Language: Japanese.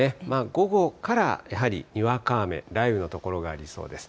午後からやはり、にわか雨、雷雨の所がありそうです。